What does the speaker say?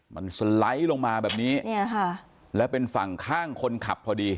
มันสไลด์ลงมาแบบนี้เนี่ยค่ะแล้วเป็นฝั่งข้างคนขับพอดี